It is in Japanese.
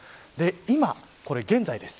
今、これ現在です。